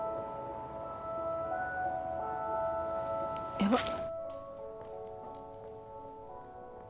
やばっ！